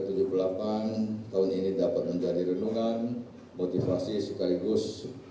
tahun ini dapat menjadi renungan motivasi sekaligus